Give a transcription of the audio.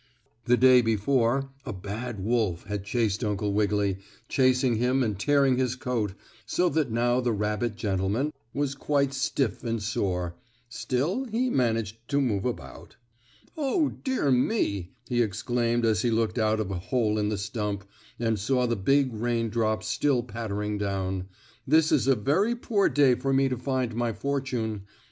The day before, a bad wolf had chased Uncle Wiggily, catching him and tearing his coat, so that now the rabbit gentleman was quite stiff and sore. Still he managed to move about. "Oh, dear me!" he exclaimed as he looked out of a hole in the stump, and saw the big rain drops still pattering down, "this is a very poor day for me to find my fortune.